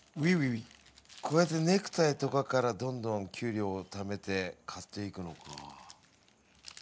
こうやってネクタイとかからどんどん給料をためて買っていくのか。